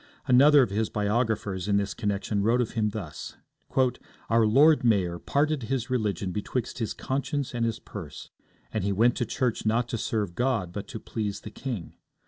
Another of his biographers in this connection wrote of him thus: 'Our Lord Mayor parted his religion betwixt his conscience and his purse, and he went to church not to serve God, but to please the king.